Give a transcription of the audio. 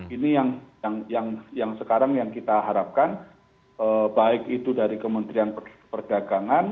ini yang sekarang yang kita harapkan baik itu dari kementerian perdagangan